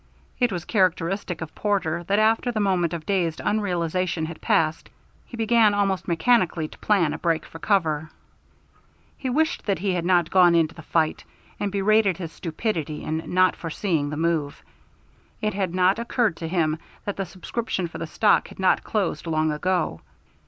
It was characteristic of Porter that after the moment of dazed unrealization had passed he began almost mechanically to plan a break for cover; he wished that he had not gone into the fight, and berated his stupidity in not foreseeing the move; it had not occurred to him that the subscription for the stock had not closed long ago.